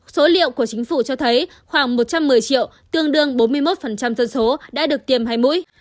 số liệu của chính phủ cho thấy khoảng một trăm một mươi triệu tương đương bốn mươi một dân số đã được tiêm hai mũi